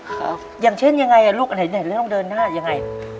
ครับอย่างเช่นยังไงอ่ะลูกอันไหนเนี่ยจะต้องเดินหน้ายังไง